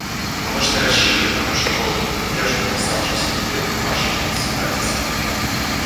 Вы можете рассчитывать на нашу полную поддержку в оставшийся период вашего председательства.